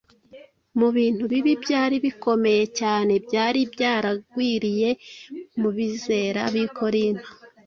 Mu bintu bibi byari bikomeye cyane byari byaragwiriye mu bizera b’i Korinto